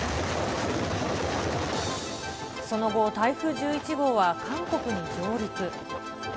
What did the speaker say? その後、台風１１号は韓国に上陸。